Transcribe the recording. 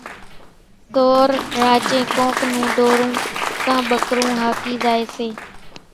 سور راچين ڪونڪ نون ڍورون ڪان ٻڪرون هاڪِي زائيَ سي۔